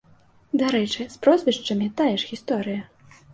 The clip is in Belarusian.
Дарэчы, з прозвішчамі тая ж гісторыя.